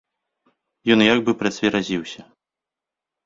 Ён як бы працверазіўся.